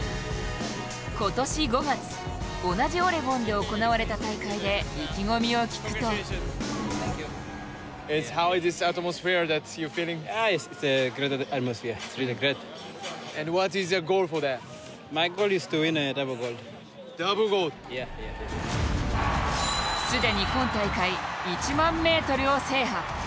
今年５月、同じオレゴンで行われた大会で意気込みを聞くと既に今大会１００００ｍを制覇。